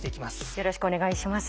よろしくお願いします。